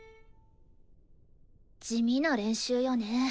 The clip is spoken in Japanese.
地味な練習よね。